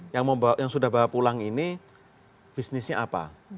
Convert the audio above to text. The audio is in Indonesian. yang sudah bawa pulang ini bisnisnya apa